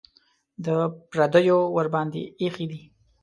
د پردیو ورباندې ایښي دي.